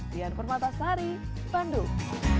dian permata sari bandung